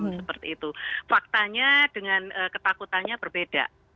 seperti itu faktanya dengan ketakutannya berbeda